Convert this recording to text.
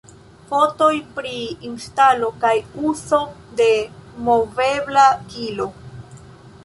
Fotoj pri instalo kaj uzo de "movebla kilo"